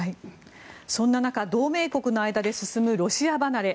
そんな中、同盟国の間で進むロシア離れ。